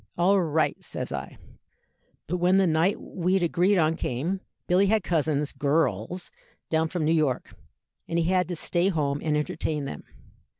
'All right,' says I. "But when the night we'd agreed on came, Billy had cousins girls down from New York, and he had to stay home and entertain them.